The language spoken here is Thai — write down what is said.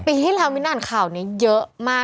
ปีที่แล้วมิ้นอ่านข่าวนี้เยอะมาก